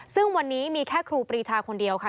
ซึ่งวันนี้มีแค่ครูปรีชาคนเดียวค่ะ